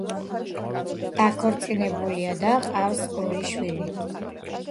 დაქორწინებულია, ჰყავს ორი შვილი.